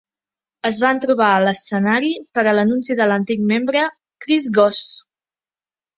Es van trobar a l'escenari per a l'anunci de l'antic membre Chris Goss.